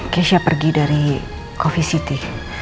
keisha pergi dari coffee city